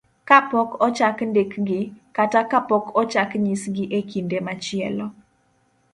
kapok ochak ndikgi, kata kapok ochak nyisgi e kinde machielo.